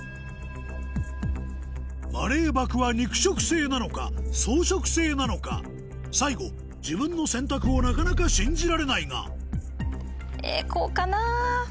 マレーバクは肉食性なのか草食性なのか最後自分の選択をなかなか信じられないがえこうかな？